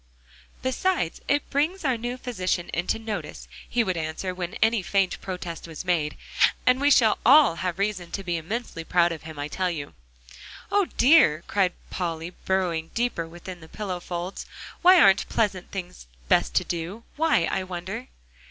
"Besides it brings our new physician into notice," he would answer when any faint protest was made. "And we shall all have reason to be immensely proud of him, I tell you!" "Oh, dear!" cried Polly, burrowing deeper within the pillow folds, "why aren't pleasant things best to do? Why, I wonder!"